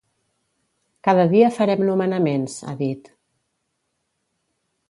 “Cada dia farem nomenaments”, ha dit.